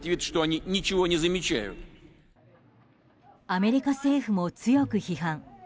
アメリカ政府も強く批判。